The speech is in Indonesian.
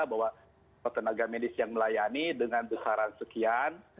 bahwa tenaga medis yang melayani dengan besaran sekian